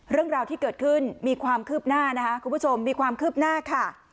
เรื่องราวที่เกิดขึ้นมีความคืบหน้านะคะคุณผู้ชมมีความคืบหน้าค่ะ